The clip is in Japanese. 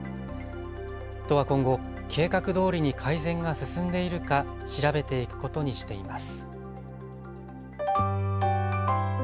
都は今後、計画どおりに改善が進んでいるか調べていくことにしています。